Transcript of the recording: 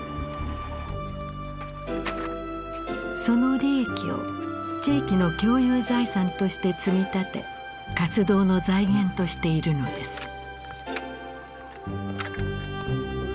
その利益を地域の共有財産として積み立て活動の財源としているのです。